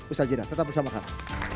ustaz jeddah tetap bersama kami